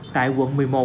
tại quận một mươi một